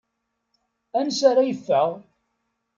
Ansa ara yeffeɣ?